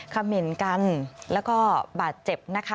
เขม่นกันแล้วก็บาดเจ็บนะคะ